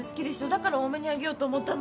だから多めにあげようと思ったのに。